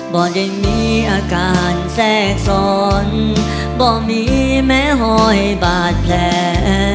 ได้มีอาการแทรกซ้อนบ่มีแม้หอยบาดแผล